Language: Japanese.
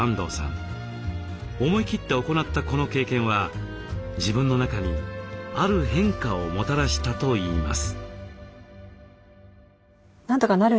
思い切って行ったこの経験は自分の中にある変化をもたらしたといいます。